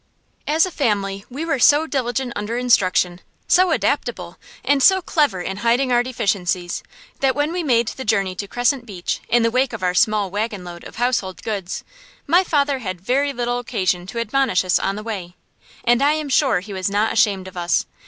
As a family we were so diligent under instruction, so adaptable, and so clever in hiding our deficiencies, that when we made the journey to Crescent Beach, in the wake of our small wagon load of household goods, my father had very little occasion to admonish us on the way, and I am sure he was not ashamed of us.